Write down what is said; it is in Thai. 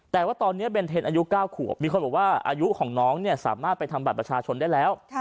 แต่ว่าตอนนี้เบนเทนอายุ๙ขวบมีคนบอกว่าอายุของน้องเนี่ยสามารถไปทำบัตรประชาชนได้แล้ว